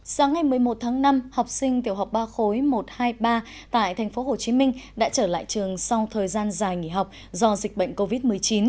sáng ngày một mươi một tháng năm học sinh tiểu học ba khối một trăm hai mươi ba tại tp hcm đã trở lại trường sau thời gian dài nghỉ học do dịch bệnh covid một mươi chín